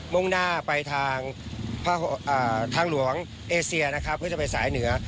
มุ่งหน้าไปทางหลวงเอเซียนะครับเพื่อจะไปสายเหนือ